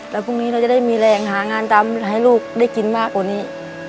แล้วพรุ่งนี้เราจะได้มีแรงหางานตามให้ลูกได้กินมากกว่านี้